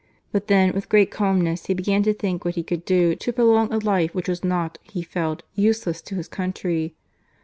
But then with great calmness he began to think what he could do to prolong a life which was not, he felt, useless to his country.